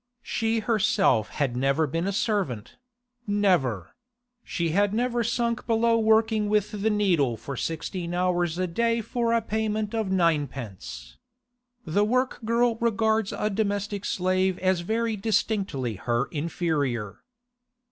She herself had never been a servant—never; she had never sunk below working with the needle for sixteen hours a day for a payment of ninepence. The work girl regards a domestic slave as very distinctly her inferior.